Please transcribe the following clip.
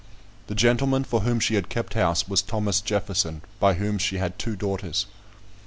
The gentleman for whom she had kept house was Thomas Jefferson, by whom she had two daughters.